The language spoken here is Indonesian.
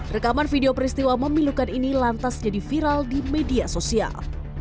rekaman video peristiwa memilukan ini lantas jadi viral di media sosial